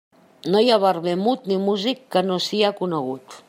No hi ha barber mut ni músic que no sia conegut.